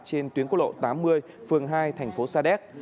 trên tuyến quốc lộ tám mươi phường hai thành phố sa đéc